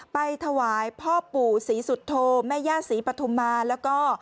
ไปถวายพ่อปู่ศรีสุโธแม่ย่าศรีปฐุมาแล้วก็